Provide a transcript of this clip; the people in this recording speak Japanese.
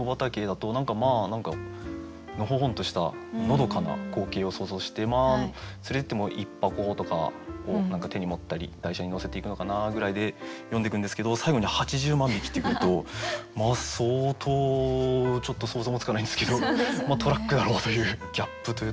だと何かまあのほほんとしたのどかな光景を想像して連れていっても１箱とかを手に持ったり台車に乗せていくのかなぐらいで読んでくんですけど最後に「８０万匹」ってくると相当ちょっと想像もつかないんですけどトラックだろうというギャップというところですかね。